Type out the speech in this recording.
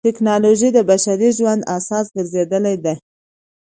ټکنالوجي د بشري ژوند اساس ګرځېدلې ده.